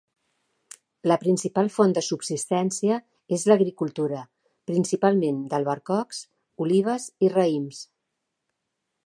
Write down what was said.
La principal font de subsistència és l'agricultura, principalment d'albercocs, olives i raïms.